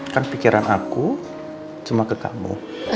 kan pikiran aku cuma ke kamu